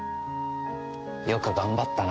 よく頑張ったな。